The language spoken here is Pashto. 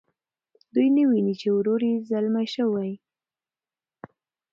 دوی نه ویني چې ورور یې ځلمی شوی.